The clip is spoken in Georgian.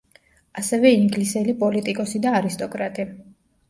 ასევე ინგლისელი პოლიტიკოსი და არისტოკრატი.